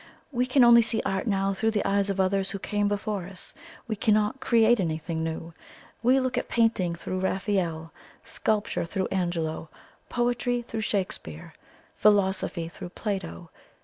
We can only see Art now through the eyes of others who came before us. We cannot create anything new. We look at painting through Raphael; sculpture through Angelo; poetry through Shakespeare; philosophy through Plato.